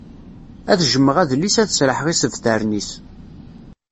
Ad jmeɣ adlis ad sraḥeɣ isebtaren-is.